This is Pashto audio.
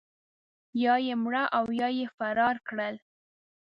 یا یې مړه او یا یې فرار کړل.